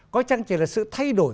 có chăng chỉ là sự thay đổi